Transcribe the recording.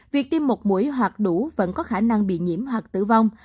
việc tiêm một mũi hoặc đủ vẫn có khả năng bị nhiễm hoặc tử vong